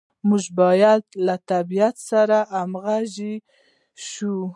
موږ باید له طبیعت سره همغږي شو.